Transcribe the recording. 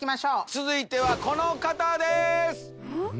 続いてはこの方です！